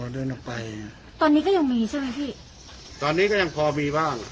เดินออกไปตอนนี้ก็ยังมีใช่ไหมพี่ตอนนี้ก็ยังพอมีบ้าง